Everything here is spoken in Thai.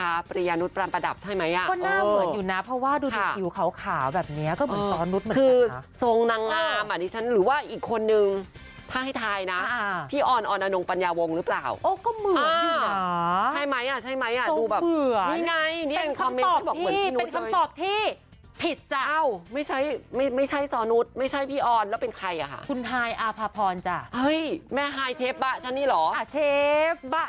อ่ามาดิฉันหรือว่าอีกคนนึงถ้าให้ถ่ายนะพี่อ่อนออนงปัญญาวงค์หรือเปล่าโอ้ก็เหมือนอยู่น่ะใช่ไหมอ่ะใช่ไหมอ่ะต้องเหมือนนี่ไงเป็นคอมเม้นต์เขาบอกเหมือนพี่นุฏเลยเป็นคำตอบที่ผิดจ้ะเอ้าไม่ใช่ไม่ใช่สอนุฏไม่ใช่พี่อ่อนแล้วเป็นใครอ่ะค่ะคุณทายอาภาพรจ้ะเฮ้ยแม่ทายเชฟบะฉันนี่หรอเชฟบะ